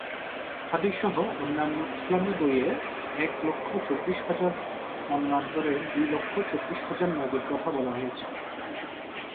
হাদিস সহ অন্যান্য ইসলামী বইয়ে এক লক্ষ চব্বিশ হাজার মতান্তরে দুই লক্ষ চব্বিশ হাজার নবির কথা বলা হয়েছে।